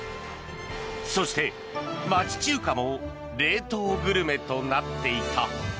そして、街中華も冷凍グルメとなっていた。